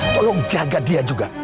tolong jaga dia juga